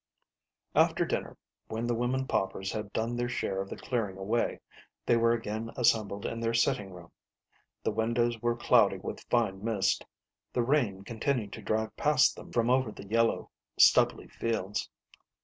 After dinner, when the women paupers had done their share of the clearing away, they were again assembled in their sitting room. The windows were cloudy with fine mist; the rain continued to drive past them from over the yellow stubbly fields.